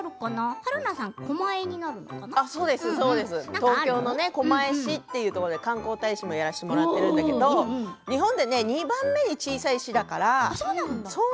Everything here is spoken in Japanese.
東京の狛江市というところで観光大使もやらせてもらってるんだけど日本で２番目に小さい市だから。